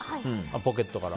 ポケットから。